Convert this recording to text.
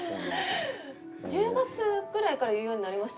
１０月ぐらいから言うようになりましたよね。